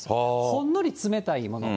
ほんのり冷たいもの。